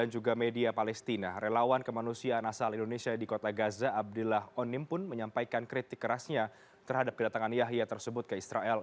juga media palestina relawan kemanusiaan asal indonesia di kota gaza abdillah onim pun menyampaikan kritik kerasnya terhadap kedatangan yahya tersebut ke israel